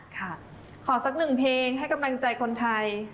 ขอสักหนึ่งเพลงให้กำลังใจคนไทย